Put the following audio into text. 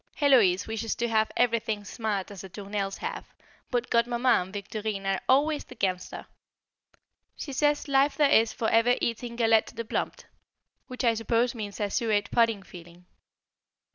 Héloise wishes to have everything smart as the Tournelles have, but Godmamma and Victorine are always against her. She says life there is for ever eating galette de plomp, which I suppose means a suet pudding feeling.